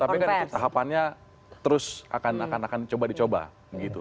tapi kan tahapannya terus akan akan coba coba gitu